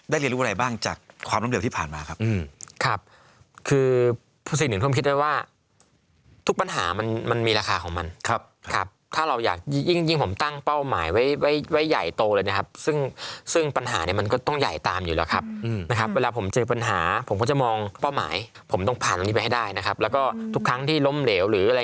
เรียนรู้อะไรบ้างจากความล้มเหลวที่ผ่านมาครับครับคือสิ่งหนึ่งผมคิดไว้ว่าทุกปัญหามันมันมีราคาของมันครับครับถ้าเราอยากยิ่งผมตั้งเป้าหมายไว้ไว้ใหญ่โตเลยนะครับซึ่งซึ่งปัญหาเนี่ยมันก็ต้องใหญ่ตามอยู่แล้วครับนะครับเวลาผมเจอปัญหาผมก็จะมองเป้าหมายผมต้องผ่านตรงนี้ไปให้ได้นะครับแล้วก็ทุกครั้งที่ล้มเหลวหรืออะไร